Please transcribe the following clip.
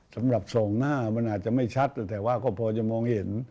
สำหรับส่องหน้ามันอาจจะไม่ชัดแต่ว่าก็พอจะมองเห็น